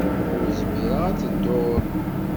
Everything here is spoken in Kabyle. Ur tezmireḍ ad tedduḍ.